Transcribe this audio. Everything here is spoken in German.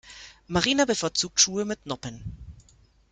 Marina bevorzugt Schuhe mit Noppen.